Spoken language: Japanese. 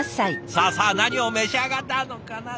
さあさあ何を召し上がったのかな。